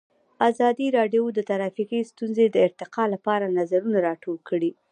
ازادي راډیو د ټرافیکي ستونزې د ارتقا لپاره نظرونه راټول کړي.